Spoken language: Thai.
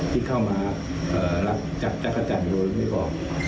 ที่เข้ามารับจับจักรจันทร์โดยไม่บอก